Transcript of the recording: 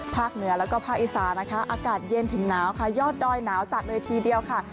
เหนือแล้วก็ภาคอีสานนะคะอากาศเย็นถึงหนาวค่ะยอดดอยหนาวจัดเลยทีเดียวค่ะ